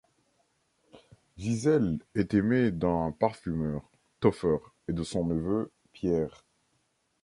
Gisèle est aimée d'un parfumeur, Toffer, et de son neveu, Pierre.